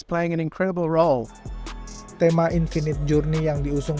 serta berkaitan dengan kembang kembang yang berkaitan dengan kembang kembang